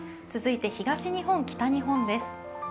続いて東日本、北日本です。